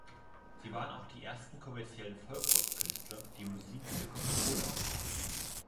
Sie waren auch die ersten kommerziellen Folk-Rock-Künstler, die Musik für Coca-Cola aufnahmen.